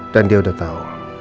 dan dia sudah tahu